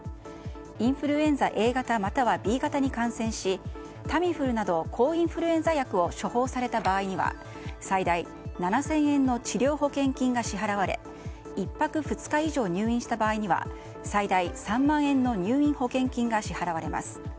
インフルエンザＡ型またはＢ型に感染しタミフルなど抗インフルエンザ薬を処方された場合には最大７０００円の治療保険金が支払われ１泊２日以上入院した場合には最大３万円の入院保険金が支払われます。